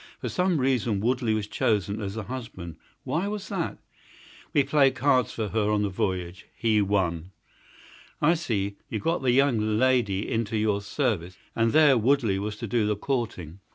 For some reason Woodley was chosen as the husband. Why was that?" "We played cards for her on the voyage. He won." "I see. You got the young lady into your service, and there Woodley was to do the courting.